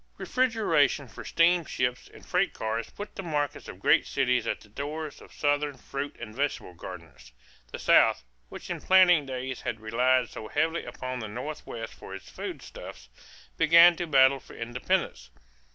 Refrigeration for steamships and freight cars put the markets of great cities at the doors of Southern fruit and vegetable gardeners. The South, which in planting days had relied so heavily upon the Northwest for its foodstuffs, began to battle for independence.